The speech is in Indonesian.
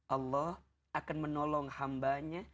allah akan menolong hambanya